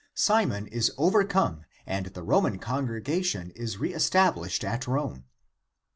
Simon is overcome and the Roman congregation is re established at Rome.